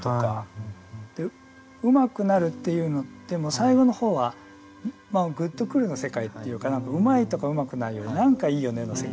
「うまくなる」っていうの最後のほうは「グッとくる」の世界っていうか何かうまいとかうまくないより「なんかいいよね」の世界がある。